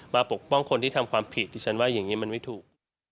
ปกป้องคนที่ทำความผิดที่ฉันว่าอย่างนี้มันไม่ถูก